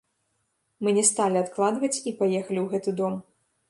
Мы не сталі адкладваць і паехалі ў гэты дом.